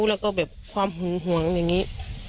และก็ความห่วงอย่างนี้